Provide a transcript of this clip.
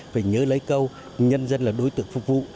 phải nhớ lấy câu nhân dân là đối tượng phục vụ